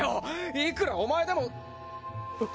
いくらお前でも。